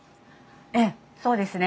ええそうですね。